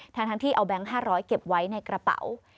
ทั้งที่เอาแบงค์๕๐๐เก็บไว้ในกระเป๋า